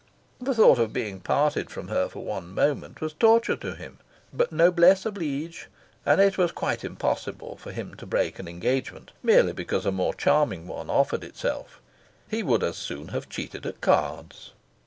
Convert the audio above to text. The thought of being parted from her for one moment was torture to him; but "noblesse oblige," and it was quite impossible for him to break an engagement merely because a more charming one offered itself: he would as soon have cheated at cards.